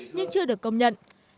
nhưng chưa được công nhận